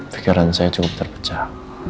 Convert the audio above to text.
fikiran saya cukup terpecah